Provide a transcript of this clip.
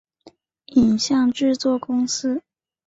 影像制作公司